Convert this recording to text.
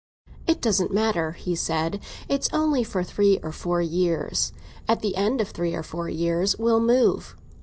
"It doesn't matter," he said; "it's only for three or four years. At the end of three or four years we'll move.